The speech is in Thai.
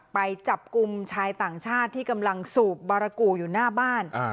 ไปจับกลุ่มชายต่างชาติที่กำลังสูบบารกูอยู่หน้าบ้าน